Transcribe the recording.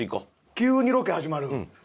急にロケ始まる。